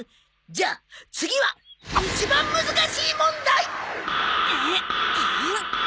じゃあ次は一番難しい問題！